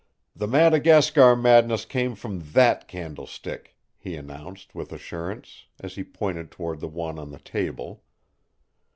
"The Madagascar madness came from that candlestick," he announced, with assurance, as he pointed toward the one on the table.